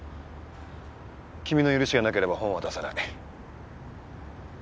君の許しがなければ本は出さない。